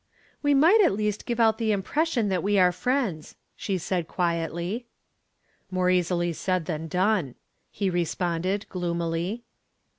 "We might at least give out the impression that we are friends," she said quietly. "More easily said than done," he responded gloomily.